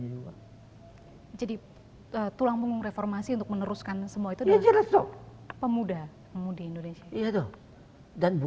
dia berusia dua belas tahun